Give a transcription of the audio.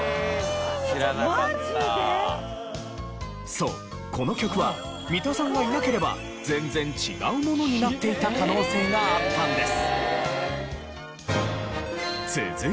そうこの曲は三田さんがいなければ全然違うものになっていた可能性があったんです。